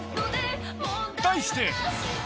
題して。